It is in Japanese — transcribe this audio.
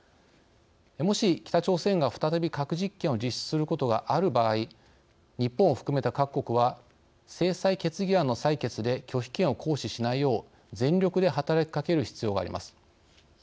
もし、北朝鮮が再び核実験を実施することがある場合日本を含めた各国は制裁決議案の採決で拒否権を行使しないよう全力で働きかける必要があります。